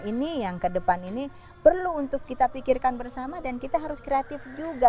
ini yang kedepan ini perlu untuk kita pikirkan bersama dan kita harus kreatif juga